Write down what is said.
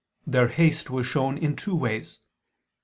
Their haste was shown in two ways.